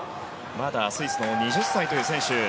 スイスのまだ２０歳という選手。